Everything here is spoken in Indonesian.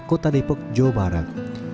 kota depok jawa barat